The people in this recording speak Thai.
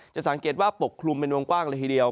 จะสังเกตว่าปกคลุมเป็นวงกว้างเลยทีเดียว